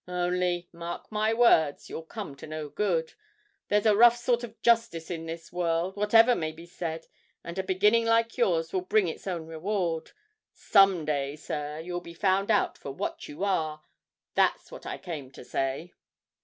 Only, mark my words you'll come to no good. There's a rough sort of justice in this world, whatever may be said, and a beginning like yours will bring its own reward. Some day, sir, you'll be found out for what you are! That's what I came to say!'